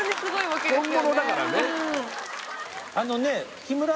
本物だからね